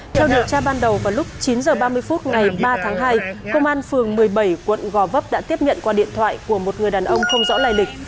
theo điều tra ban đầu vào lúc chín h ba mươi phút ngày ba tháng hai công an phường một mươi bảy quận gò vấp đã tiếp nhận qua điện thoại của một người đàn ông không rõ lai lịch